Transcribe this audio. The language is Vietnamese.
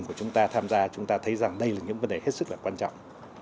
của chúng ta tham gia chúng ta thấy rằng đây là những vấn đề hết sức là quan trọng